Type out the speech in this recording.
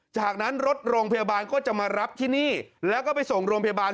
จากนั้นรถโรงพยาบาลก็จะมารับที่นี่แล้วก็ไปส่งโรงพยาบาล